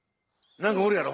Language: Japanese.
何かおるやろ？